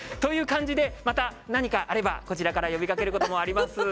また、何かあればこちらから呼びかけることもあります。